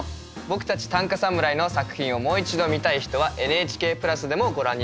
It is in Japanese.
僕たち短歌侍の作品をもう一度見たい人はＮＨＫプラスでもご覧になれます。